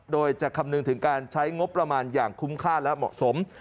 โดยจะคำนึงถึงการใช้งบประมาณอย่างคุ้มค่าและเหมาะสม